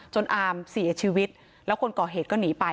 อามเสียชีวิตแล้วคนก่อเหตุก็หนีไป